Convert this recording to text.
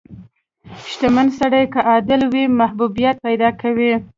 • شتمن سړی که عادل وي، محبوبیت پیدا کوي.